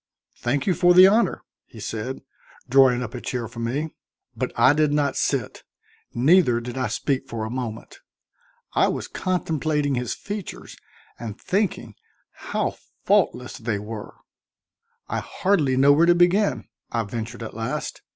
"Thank you for the honor," he said, drawing up a chair for me. But I did not sit, neither did I speak for a moment. I was contemplating his features and thinking how faultless they were. "I hardly know where to begin," I ventured at last.